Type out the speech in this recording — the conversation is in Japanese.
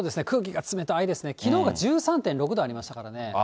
空気が冷たいですね、きのうが１３．６度ありましたからね。